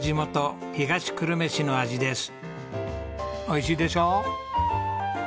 おいしいでしょ？